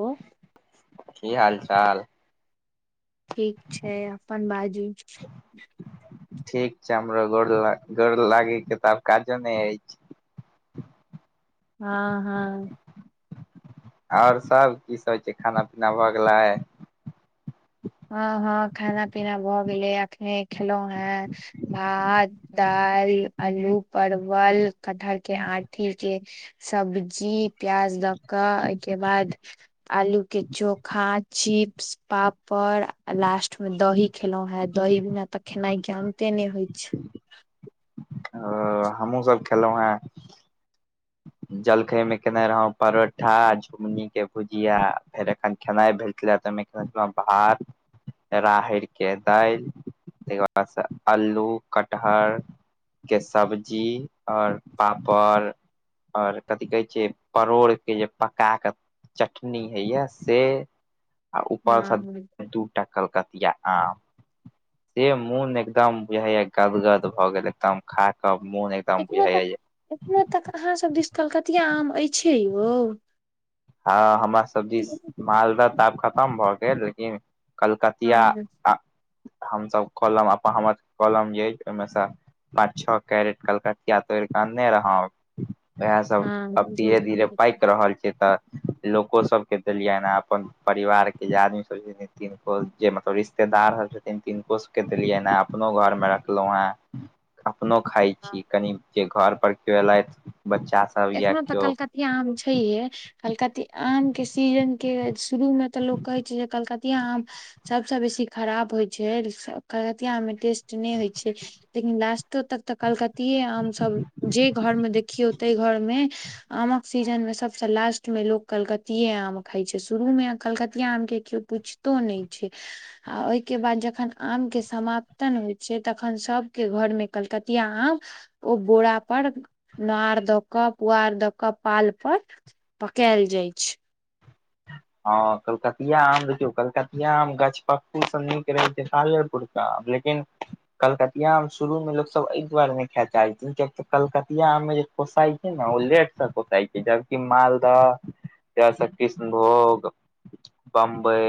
ओ। की हाल चाल। ठीक छै अपन बाजू। ठीक छै हमरा गोर ल गोर लागै के तऽ आब काजो नइ अछि। हँ हँ। आओर सब कीसभ होइ छै खाना पीना भऽ गेलै। हँ हँ खाना पीना भऽ गेले अखने खेलहुॅं हें। भात दाइल अल्लू परवल कठहर के आठी के। सब्जी प्याज दऽ कऽ ओहिके बाद। आलू के चोखा चिप्स पाप पर आ लास्ट में दही खेलौं हें दही बिना तऽ खेनाइ के अंते नइ होइ छै। ओ हमहुँ सब खेलौ हें। [inaudible] जलखइ मे केने रहौ परोठा झुमनी के भुजिया फेर एखन खेनाइ भेटले त मि। अा भात [unintelligible] राहड़िके दालि तकर बादसँ अल्लू कटहर। के सब्जी आओर पापड़। आओर कथि कहै छै परोड़ के जे पका कऽ। चटनी हैय से आ उपर हँ स दू टा कलकतिया आम। से मोन एकदम बुझाइए गदगद भऽ गेल एकदम खा कऽ मन एखनो तक एखनो तक अहाँसभ दिश कलकतिआ आम अइछै यौ। हँ हमरा सबदिस मालदह तऽ आब खतम भऽ गेल लेकिन। कलकतिया हँ हमसभ कलम अपन हमर कलम जे अइ ओहिमे सँ। पाँच छओ कैरेट कलकतिया तोइर क अनने रहऊ। इएह सब हँ अब धीरे धीरे पाइक रहल छै तऽ। लोको सबके देलियैन हे अपन परिवार के जे आदमी सब। तिनको जे मतलब रिश्तेदार हथिन तिनको सबके देलियैन हें अपनो घर में रखलहुं हें। [inaudible] अपनो खाय छी कनि जे घर पर कियो एलथि बच्चा सब। या एखनो तकऽ केओ कलकतिया आम छैहे। कलकति आमके सीजनके शुरूमे तऽ लोक कहैत छै जे कलकतिया आम। सभसँ बेसी खराब होइ छै कलकतिया आम मे टेस्ट नइ होइ छै। लेकिन लास्टो तक तऽ कलकतिए आमसभ जे घरमे देखियौ ताहि घरमे। आमक सीजन में सबस लास्ट मे लोग कलकतिेये आम खाय छै शुरू मे कलकतिया आम के केओ पूछ तो नइ छै। आ ओहिके बाद जखन आमके समाप्तन होइ छै तखन सभके घरमें कलकतिया आम। ओ बोरा पर नार। द क पुआर द क पाल पर पकायल जाय छै। हँ कलकतिया आम देखियौ कलकतिया आम गछपक्कू स नीक रहैत छै पालेपरके। लेकिन। कलकतिया आम शुरू मे लोकसभ एहि दुआरे नहि खायए चाहैत छै किय तऽ कलकतिया आम मे जे। कोसाइत छै ने ओ लेट से कोसाइत छै जबकि मालदह ज कृष्ण भोग बम्बई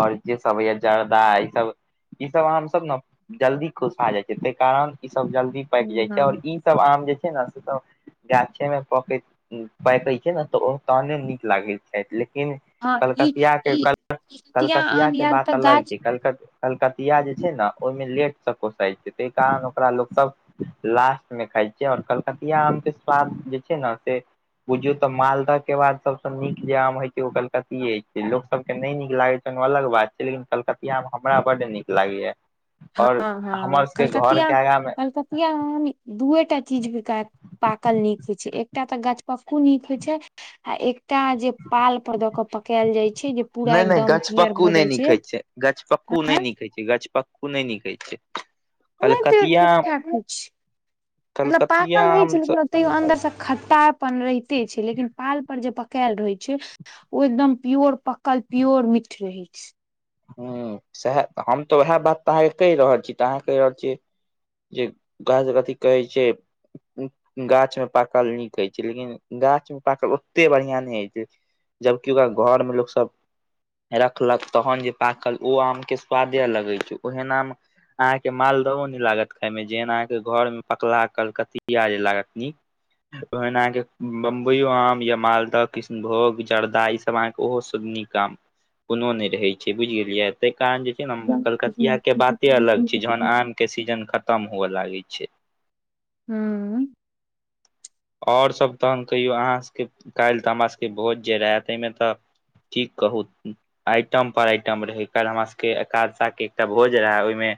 और जे सब हो य जर्दा ई सब। ई सब आमसभ ने जल्दी कोसा जाइ छै ताहि कारण ई सब जल्दी पाकि जाइ छै हँ और ई सब आम जे छै ने से सब गाछेमे पकैत पकैत छै ने तऽ ओ तहने नीक लागैत छथि लेकिन। हँ ई कलकतिया के ई ल कलकतिया आम कलकतियाके यार तऽ बात अलग गाछ छै कलकति कलकतिया जे छै ने ओहिमे लेटसँ कोसाइत छै ताहि कारण ओकरा लोक सब लास्टमे खाइ छै आओर कलकतिया आमके स्वाद जे छै ने से बुझौ तऽ मालदह के बाद सबस नीक जे आम हय के कलकतिये छै लोक सब के ने नीक लागे छ ओ अलग बात छै लेकिन कलकतिया में हमरा बड नीक लागैया हँ और हँ हमर सबके घर कलकतिया के आगा मे। कलकतिया दूएटा चीज बेकार पाकल नीक होइ छै एकटा तऽ गाछपक्कू नीक होइ छै। आ एकटा जे पाल पर दऽ क पकायल जाइ छै जे। पूरा नहि नहि एकदम पियर गछपक्कू भऽ नहि जाइ निक है छै गछपक्कू नहि आँय निक है छै गछपक्कू नहि निक है छै। कलकतिया ठीकठाक छै मतलब कलकतिया पाकल रहै आम छै। तैयो अन्दर से खट्टा अपन रहिते छै लेकिन पाल पर जे पकायल रहे छै ओ एकदम प्योर पकल प्योर मीठ रहै छै। हुं सएह हम तऽ उएह बात तऽ अहाँके कहि रहल छी तऽ अहाँ कहि रहल छियै जे [unintelligible] अथि कहै छै गाछमे पाकल नीक होइत छै लेकिन गाछमे पाकल ओतेक बढ़िआँ नहि होइत छै। जबकि ओकरा घर मे लोक सब रखलक तखन जे पाकल ओ आम के स्वादे अलग होइ छै, ओहेन आम अहाँके मालदहो नै लागत खाय मे, जेहन अहाँके घर मे पकलाहा कलकतिया जे लागत नीक। ओहेन अहाँके बम्बइयो आम या मालदह, कृष्णभोग, जर्दा, ई सब ओहो सब नीक आम कोनो नहि रहे छै, बुझि गेलियै ताहि कारण जे हम कलकतिया के बाते अलग छै जखन आम के सीजन खतम हुए लागै छै। हुं। और सभ तखन कहियौ अहाँ सभके काल्हि तऽ हमर सभके भोज जे रहय ताहिमे तऽ की कहू आइटम पर आइटम रहै, काल्हि हमरा सबके एकादश के एकटा भोज रहे ओहिमें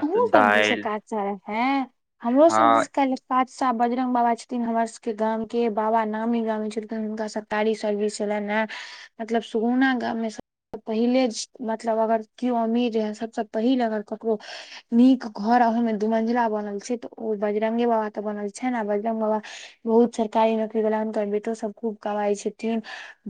तु हो सब दिस से काज केलक हें हमरो हँ सब दिस काज पाँच सा बजरंग बाबा छथिन हमर सबके गाम के, बाबा नामी गामी छलखिन हुनका सब गाड़ी सर्विस छलनि ने मतलब सुगुना गाममे पहिले मतलब अगर केओ अमीर रहै सभसँ पहिल अगर ककरो नीक घर आ ओहि में दुमंजिला बनल छै तऽ ओ बजरंगे बाबा ते बनल छै ने आ बजरंग बाबा बहुत सरकारी नौकरी वला हुनकर बेेटो सब खूब कमाइ छथिन।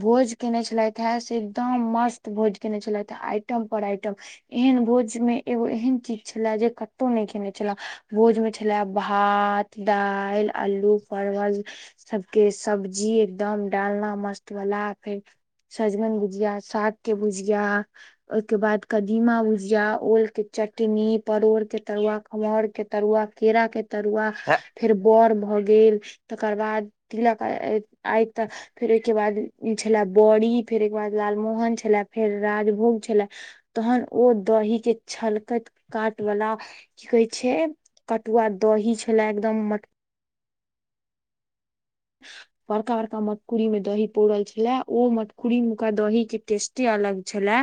भोज केने छलथि हे से एकदम मस्त भोज केने छलथि हे, आइटम पर आइटम एहन भोज मे एगो एहन चीज छले जे कतहु नहि खेने छले, भोज मे छले भात, दालि, अल्लू परवल सबके सब्जी एकदम, डालना मस्त बला फेर सजगन भुजिया, साग के भुजिया ओहिके बाद कदीमा भुजिया, ओल के चट चटनी, परोड़ के तरुआ, खमहर के तरुआ, केरा के तरुआ फेर बर भऽ गेल गेल तकर बाद तिलक आय त फेर ओहिके बाद छले बड़ी, फेर ओहिके बाद लालमोहन छले, फेर राजभोग छले तहन ओ दही के छलकैत काट वला की कहे छै कटुआ दही छल एकदम मटक [inaudible] बड़का बड़का मटकुरी मे दही पौरल छले ओ मटकुरी महक दही के टेस्टे अलग छले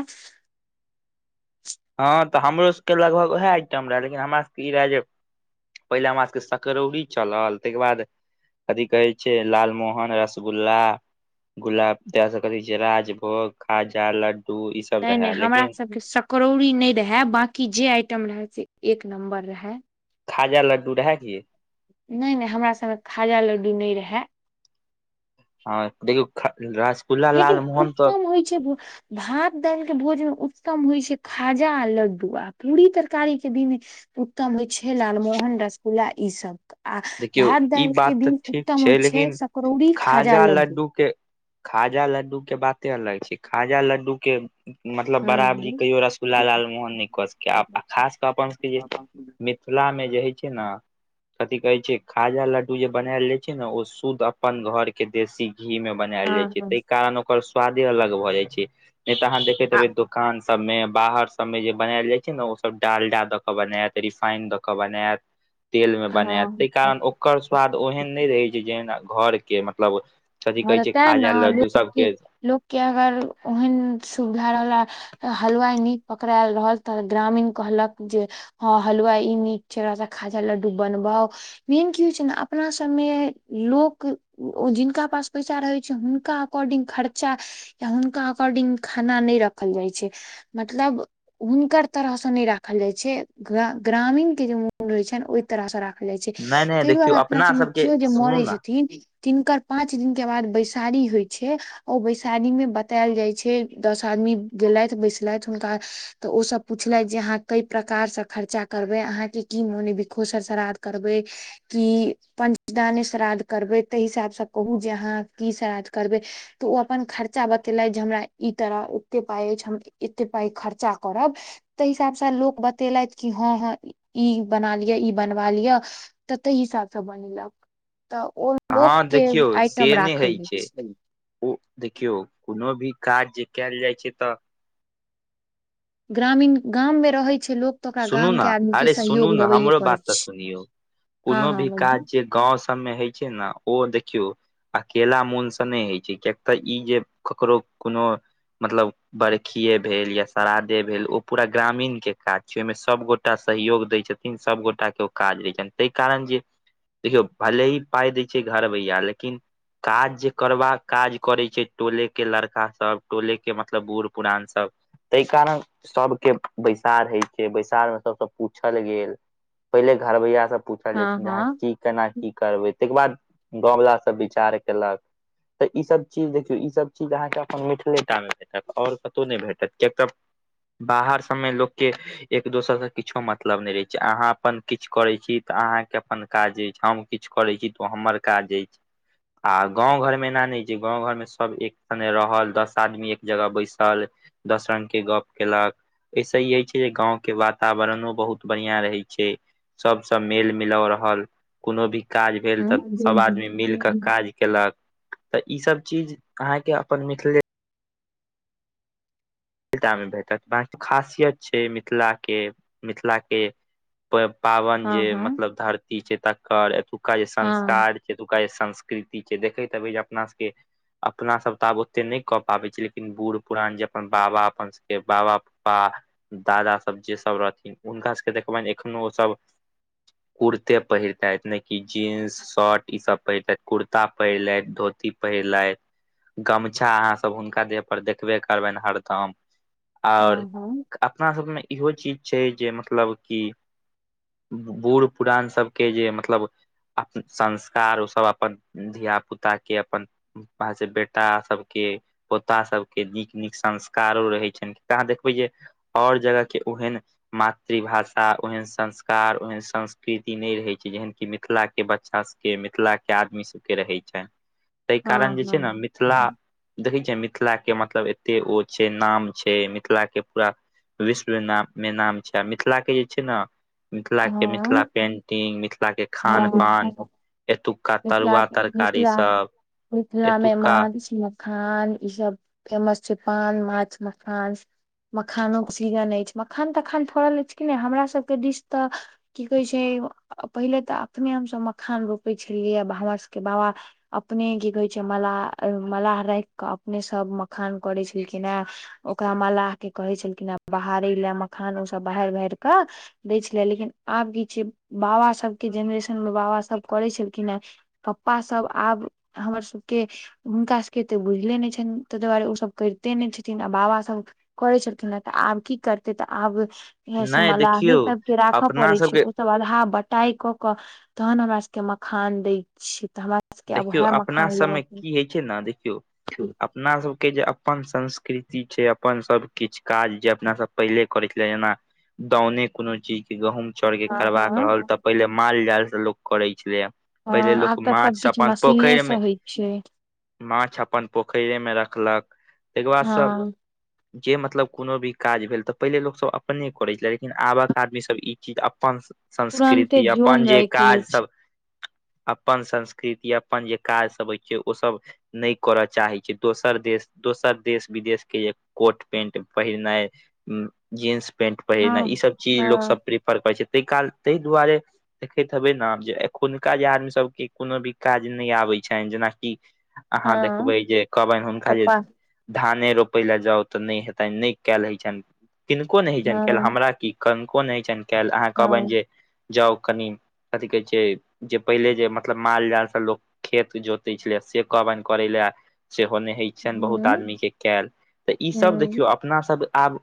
हँ तऽ हमरो सबके लगभग वैह आइटम रहे लेकिन हमरा सबके ई रहे जे पहिले हमरा सभके सकरौरी चलल तै के बाद कथि कहै छै लालमोहन आ रसगुल्ला गुलाब कहै छै राजभोग, खाजा, लड्डू इ सब नै रहे नै हमरा लेकिन सबके सकड़ौरी नै रहै बाँकी जे आइटम रहै से एक नम्बर रहे। खाजा लड्डू रहे की? नै नै हमरा सब मे खाजा लड्डू नै रहे। [unintelligible] लेकिन लालमोहन तऽ उत्तम होइ छै भात दालि के भोज मे उत्तम होइ छै खाजा आ लड्डू आ पूरी तरकारी के दिन उत्तम होइ छै लालमोहन रसगुल्ला ई सब। आ देखियौ भात ई दालि के बात तऽ दिन ठीक उत्तम छै होइ छैय, लेकिन सकरौरी खाजा लड्डू। खाजा लड्डू के बाते अलग छैय खाजा लड्डू के मतलब हँ बराबरी हँ कहियो रसगुल्ला लालमोहन नइ कऽ सकैयऽ आब, खास कऽ अपन सभके जे मिथिला में जे हइ छैय नऽ कहैय छैय खाजा लड्डू जे बनायल जाय छैय ने ओ शुद्ध अप्पन घर कें देशी घी में बनायल जाय हँ छैय हँ तैइ कारण ओकर स्वादे अलग भऽ जाय छैय नइ तऽ अहाँ देखैत आ हेबैय दोकान सभ में बाहर सभ में जे बनायल जाइ छैय नऽ ओ सभ डालडा दऽ कऽ बनायत रिफाइन दऽ कऽ बनायत। [inaudible] तेल में बनायत तइ कारण ओकर स्वाद हँ ओहेन नइ रहैय छैय जेना घर के मतलब कथी हँ कहैय तऽ छैय तें ने खाजा लड्डू लोक की सभके लोक के अगर ओहेन सुविधा रहला हलुवाई नीक पकड़ायल रहल तऽ ग्रामीण कहलक जे हँ, हलुआई ई नीक छैय एकरा से खाजा लड्डू बनबाऊ। मेन की होइ छैय नऽ अपना सभ में लोक ओ जिनका पास पैसा रहैय छैय हुनका अकॉर्डिंग खर्चा या हुनका अकॉर्डिंग खाना नइ राखल जाइ छैय मतलब हुनकर तरह सँ नइ राखल जाइ छैय ग ग्रामीण कें जे मोन रहैय छनि ओय तरह सँ राखल जाइ छैय नहि नहि तइ दुआरे देखियौ अपना सभ में सबके केओ जे सुनू मड़ै ने छथिन तिनकर पाँच दिन के बाद बैसारी होइ छैय। ओ बैसारी में बताएल जाइ छैय, दस आदमी गेलथि बैसलथि हुनका तऽ ओ सभ पुछलथि जे अहाँ कई प्रकार सँ खर्चा करबै अहाँके की मोने बिखोसर श्राद्ध करबै। कि पञ्चदाने श्राद्ध करबै तइ हिसाब सँ कहू जे अहाँ की श्राद्ध करबै तऽ ओ अपन खर्चा बतेलथि जे हमरा ई तरह ओत्ते पाइ अछि हम एते पाइ खर्चा करब। तइ हिसाब सँ लोक बतेलथि कि हँ हँ ई बना लिअ ई बनवा लिअ। तऽ तइ हिसाब सँ बनेलक तऽ ओ हँ लोकके देखियौ आइटम से नइ राखल हइ जाइ छैय। छै उ देखियौ कोनो भी काज जे कएल जाइ छैय तऽ ग्रामीण गाम में रहैय छैय लोक तऽ ओकरा सुनू गाम न, के आदमी के अरे सुनू सहयोग न लेबैये हमरो पड़ै बात तऽ छै सुनियौ हँ कोनो हँ भी बहिन काज जे गाँंव सभ में हइ छैय ने ओ देखियौ अकेला मोन सँ नइ हइ छैय किएक तऽ ई जे ककरो कोनो मतलब बर्खीेये भेल या श्राद्धे भेल ओ पूरा ग्रामीण के काज जइ मे सभ गोटा सहयोग दै छथिन सभ गोटा के ओ काज रहैय छनि तइ कारण जे देखियौ भले ही पाइ दै छैय घर बैया लेकिन काज जे करबा काज करैय छैय टोले के लड़का सभ टोले के मतलब बूढ़ पुरान सब। तइ कारण सभ के बैसार हइ बैसार मे सभ सँ पूछल गेल पहिले घरबैया से पूछल जाइ हँ छैन जे अहाँ हँ की केना की करबै तइ के बाद गाँव वाला सभ विचार केलक। तऽ ई सभ चीज देखियौ ई सभ चीज अहाँकेँ अपन मिथिले टा मे भेटत आओर कतहु नहि भेटत कियाक तऽ बाहर सभमे लोकके एक दोसरसँ किछो मतलब नहि रहैय छैय अहाँ अप्पन किछु करैय छी तऽ अहाँके अपन काज अछि हम किछु करैय छी तऽ हमर काज अछि। आ गाँंव घर मे एना नहि छैय गाँंव घर में सब एक सनेे रहल दस आदमी एक जगह बैसल। दस रंग के गप केलक ऐसे ई अइछ जे गाँव के वातावरणो बहुत बढ़िआँ रहैय छैय। सभ सँ मेल मिलाव रहल, कोनो भी काज भेल हँ तऽ सभ आदमी मिल हँ कऽ काज केलक तऽ ई सब चीज अहाँके अपन मिथिले मे भेटत ब खासियत छैय मिथिलाके, मिथिलाके प पाबनि जे हँ हँ मतलब धरती छैय तकर एतुक्का जे हँ संस्कार एतुका जे संस्कृति छैय देखैत हेबै जे अपना सबके अपना सब त आब ओते नहि कऽ पाबै छी लेकिन बूढ़ पुरान जे अपन बाबा अपन सबके बाबा पप्पा दादा सब जे सभ रहथिन हुनका सभके देखबनि एखनो ओसभ कुर्ते पहिरतैथि ने की जीन्स शर्ट ईसभ पहिरतैथि। कुर्ता पहिरलथि, धोती पहिरलथि गमछा अहाँसभ हुनका देह पर देखबे करबनि हरदम आओर हँ अपना सबमे इहो चीज छैय जे मतलब कि बूढ़ पुरान सबके जे मतलब अपन संस्कार ओसभ अपन धिया पुताके अपन से बेटा सबके पोता सबके नीक- नीक संस् कारो रहै छैन तैं देखबै जे आओर जगहके ओहेन मातृभाषा ओहेन संस्कार, ओहेन संस्कृति नहि रहैत छैय जेहेन कि मिथिलाके बच्चासब के मिथिलाके आदमी सबके रहै छनि ताहि कारण जे छैय ने हँ मिथिला देखै छियै मिथिलाके मतलब एतेक ओ छैय नाम छैय मिथिलाके पूरा विश्व नापमे नाम छैय आ मिथिलाके जे छैय ने मिथिलाके मिथिला हँ पेंटिंग मिथिलाके खा- पान एतु मिथिलाके मिथिला मिथिला में एतुका माछ म खान सब फेमस छैय। पान, माछ, मखान मखानोके सीजन अछि मखान तखान फड़ल अछि कि नहि हमरा सबके दिश त की कहैय छैय पहिले तऽ अपने हमसभ मखान रोपैय छलियै हमर सभके बाबा अपने की कहैय छैय मलाह, मलाह राखि कऽ अपने सब मखान करैय छलखिन हे ओकरा मल्लाहके कहै छलखिने बाहरे लए मखान ओसभ बहारि बहारि कऽ दै छलेय लेकिन आब की छैय बाबा सभके जेनेरेशन मे बाबासभ करैय छल खिनहे पप्पा सब आब हमर सबके हुनका सभके एतेक बुझले नहि छनि ताहि दुआरे ओसभ करिते नहि छथिन आ बाबासभ करै छलखिन हेँ त आब की करतै त आब जे से नहि मलाहे देखियौ सभके राखय अपना पड़ै सबके छैय त अदहा बटाइ कऽ क तखन हमरा सबके मखान दै य छैय त हमरा सबके आब देखियौ उएह अपना मखान लेबऽ सभमे के। की होइ छैय ने देखियौ अपना सबके जे अपन संस्कृति छैय अपन सब किछु काज जे अपना सब पहिलै करैय छलै एना दाउने कोनो चीजके गहुँम चाउरके हँ करबाक रहल हँ त पहिले माल जालसँ लोक करै छलैये। पहिले हँ आब लोक तऽ माछ सब सबकिछ अपन मशीने पोखरि से मे होइ छै माछ अपन पोखरि मे रखलक ताहिके बादसब [inaudible] जे मतलब कोनो भी काज भेल त पहिले लोकसब अपने करैय छलैये लेकिन आबक आदमीसभ ई चीज अपन तुरन्ते संस्कृति अपन जोन जे राखि लै काज छै सब अपन संस्कृति कृति अपन जे काज सब होइ छैय ओ सब नय करय चाहैत छैय दोसर देश दोसर देश विदेशके कोट पेंट पहिरनाइ जींस पेंट हँ पहिरनाइ ई सब चीज लोक हँ सब प्र पर पड़ छै ताहि काल ताहि दुआरे देखैत हेबै ने जे एखुनका जे आदमी सबके। कोनो भी काज नय आबैत छनि जेनाकि अहाँ हँ देखबै जे कहबनि हुनका जे पप्पा धाने रोपय ल जाउ तऽ नय हेतनि नहि कयल हय छनि किनको नहि हे छनि हँ क हमरा की कनको नय होइ छनि कैल अहाँ कहबनि हँ जे जाउ कनी कथि कहै छै जे पहिले जे म मतलब माल जाल से लोक खेत जोते छले से कहबनि करे ले सेहो नय होय छैइन। छ बहुत हूँ आदमी के कयल तऽ ई सब हूँ देखियौ अपना सब आब।